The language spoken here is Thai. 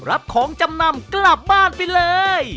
รับของจำนำกลับบ้านไปเลย